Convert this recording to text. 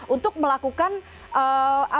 untuk melakukan apa